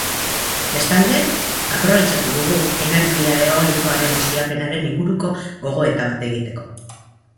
Bestalde, aprobetxatu dugu energia eolikaren ustiaketaren inguruko gogoeta bat egiteko.